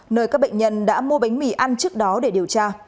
nơi các bệnh nhân đã mua bánh mì ăn trước đó để điều tra